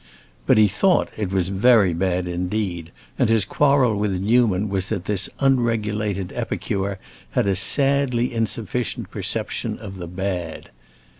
But he thought it was very bad indeed, and his quarrel with Newman was that this unregulated epicure had a sadly insufficient perception of the bad.